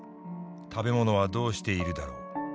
食べ物はどうしているだろう。